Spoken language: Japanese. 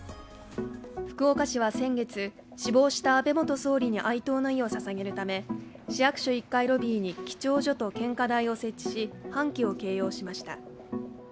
福岡市は先月、死亡した安倍元総理に哀悼の意をささげるため市役所１階ロビーに記帳所と献花台を設置し半旗を掲揚しました。